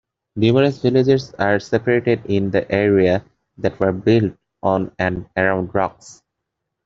Numerous villages are spread in the area that were built on and around rocks.